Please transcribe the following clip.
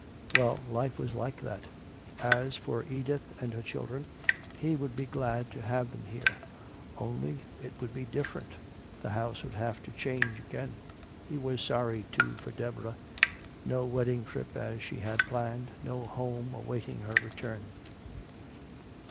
Well, life was like that. As for Edith and her children, he would be glad to have them here. Only, it would be different, the house would have to change again. He was sorry, too, for Deborah. No wedding trip as she had planned, no home awaiting her return.